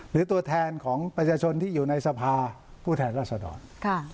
ตัวแทนของประชาชนที่อยู่ในสภาผู้แทนรัศดร